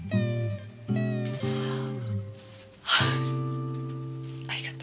ああありがとう。